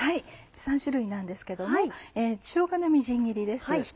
３種類なんですけどもしょうがのみじん切りです。